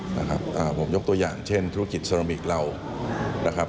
ผมยกตัวอย่างเช่นธุรกิจเซรามิกเรานะครับ